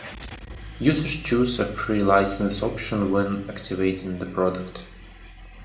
Users choose a free license option when activating the product.